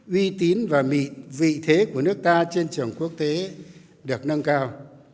uy tín và vị thế của nước ta trên trường quốc tế được nâng cao